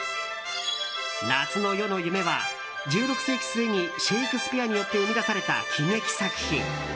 「夏の夜の夢」は、１６世紀末にシェイクスピアによって生み出された喜劇作品。